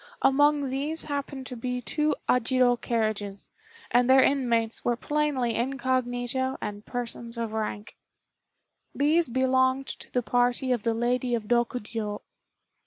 Among these happened to be two ajiro carriages, and their inmates were plainly incognito and persons of rank. These belonged to the party of the Lady of Rokjiô.